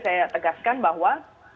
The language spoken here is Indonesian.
saya tegaskan bahwa